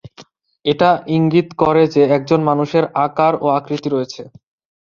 এটা ইঙ্গিত করে যে, একজন মানুষের আকার ও আকৃতি রয়েছে।